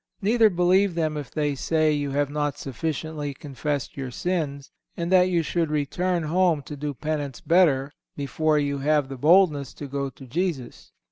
Neither believe them if they say you have not sufficiently confessed your sins, and that you should return home to do penance better, before you have the boldness to go to Jesus.